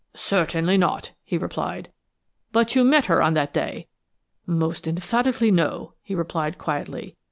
"Certainly not," he replied. "But you met her on that day?" "Most emphatically no," he replied quietly.